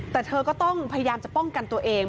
แต่เธอก็ต้องพยายามจะป้องกันตัวเอง